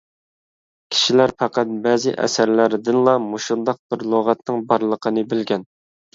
كىشىلەر پەقەت بەزى ئەسەرلەردىنلا مۇشۇنداق بىر لۇغەتنىڭ بارلىقىنى بىلگەن.